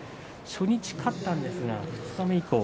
初日、勝ったんですが二日目以降。